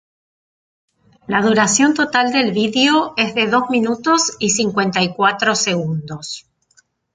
La duración total del vídeo es de dos minutos y cincuenta y cuatro segundos.